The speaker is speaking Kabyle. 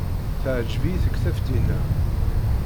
Teɛjeb-iyi tekbabt-inna.